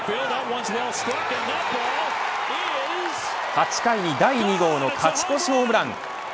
８回に第２号の勝ち越しホームラン。